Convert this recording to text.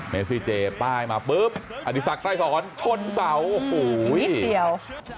เมซิเจย์ป้ายมาปุ๊บอดีศักดิ์ใกล้สอนชนเสาอุ้ยนิดเดียว